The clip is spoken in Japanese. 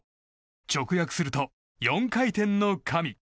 直訳すると４回転の神。